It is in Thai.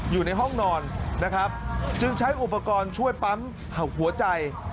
อยู่ในห้องนอนนะครับจึงใช้อุปกรณ์ช่วยปั๊มหัวใจ